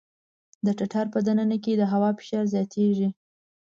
د ټټر په د ننه کې د هوا فشار زیاتېږي.